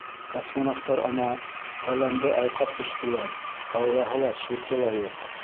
— Космонавтар, ана, ғаләмде айҡап төштөләр, аллаһы ла, чурты ла юҡ.